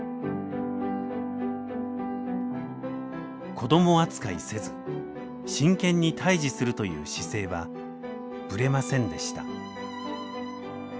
子ども扱いせず真剣に対峙するという姿勢はぶれませんでした。